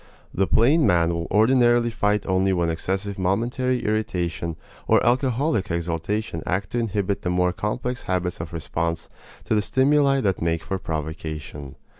The plain man will ordinarily fight only when excessive momentary irritation or alcoholic exaltation act to inhibit the more complex habits of response to the stimuli that make for provocation.